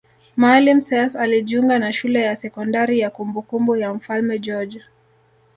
Maalim Self alijiunga na shule ya sekondari ya kumbukumbu ya mfalme George